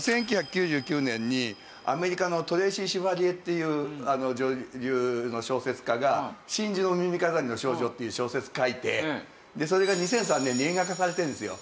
１９９９年にアメリカのトレイシー・シュヴァリエっていう女流の小説家が『真珠の耳飾りの少女』っていう小説を書いてそれが２００３年に映画化されてるんですよ。